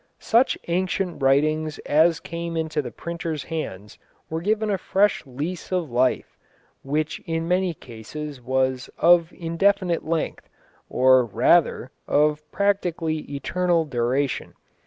Such ancient writings as came into the printer's hands were given a fresh lease of life which in many cases was of indefinite length, or rather, of practically eternal duration.